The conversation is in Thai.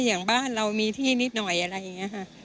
อย่างบ้านเรามีที่นิดหน่อยอะไรอย่างนี้ค่ะ